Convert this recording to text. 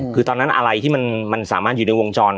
คือตอนนั้นอะไรที่มันสามารถอยู่ในวงจร